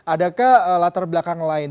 adakah latar belakang lain